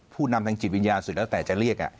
ผู้นำทางจิตวิญญาณสุดแล้วแต่จะเรียก